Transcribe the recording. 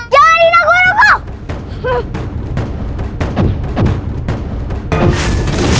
jangan dinda gua nunggu